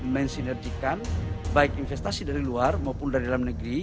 mensinergikan baik investasi dari luar maupun dari dalam negeri